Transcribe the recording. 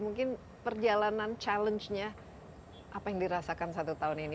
mungkin perjalanan mencabar apa yang dirasakan satu tahun ini